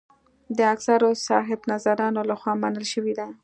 د اکثرو صاحب نظرانو له خوا منل شوې ده.